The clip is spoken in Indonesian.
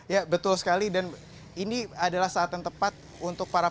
ya betul sekali dan ini adalah saat yang tepat untuk para